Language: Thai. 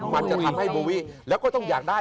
มันจะทำให้โบวิแล้วก็ต้องอยากได้